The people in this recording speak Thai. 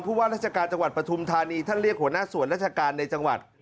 ว่าราชการจังหวัดปฐุมธานีท่านเรียกหัวหน้าส่วนราชการในจังหวัด